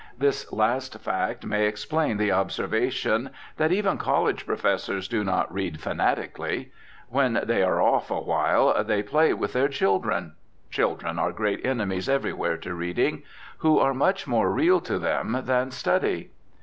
This last fact may explain the observation that even college professors do not read fanatically. When they are "off" awhile they "play with" their children (children are great enemies everywhere to reading), who are much more real to them than study.